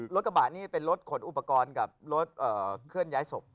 รถกระบะนี่เป็นรถขนอุปกรณ์กับรถเคลื่อนย้ายศพ